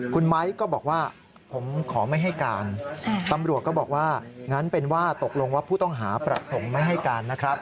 คุณไม้ก็บอกว่าผมขอไม่ให้การตำรวจก็บอกว่างั้นเป็นว่าตกลงว่าผู้ต้องหาประสงค์ไม่ให้การนะครับ